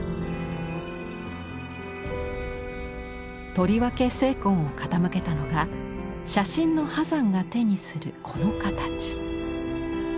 とりわけ精魂を傾けたのが写真の波山が手にするこの形。